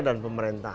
dan juga pemerintah